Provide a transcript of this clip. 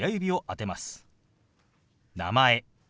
「名前」。